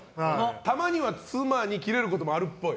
たまには妻にキレることもあるっぽい。